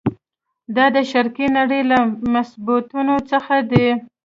دا د شرقي نړۍ له مصیبتونو څخه دی.